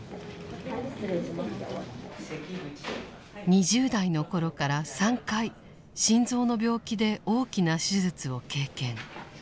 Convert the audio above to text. ２０代の頃から３回心臓の病気で大きな手術を経験。